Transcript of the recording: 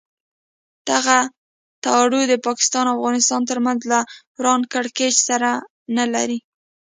دغه تړاو د پاکستان او افغانستان تر منځ له روان کړکېچ سره نه لري.